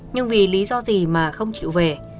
nhưng vì lý do gì mà không chịu về